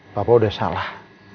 papa udah salah